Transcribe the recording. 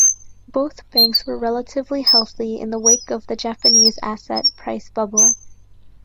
Both banks were relatively healthy in the wake of the Japanese asset price bubble.